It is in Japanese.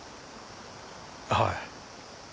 はい。